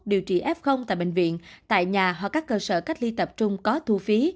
điều trị f tại bệnh viện tại nhà hoặc các cơ sở cách ly tập trung có thu phí